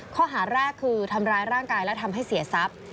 ข้อหาแรกคือทำร้ายร่างกายและทำให้เสียทรัพย์